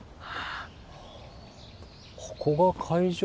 ここが会場？